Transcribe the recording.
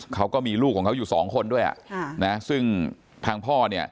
เขาก็มีลูกของเขาอยู่สองคนด้วยซึ่งทางพ่อ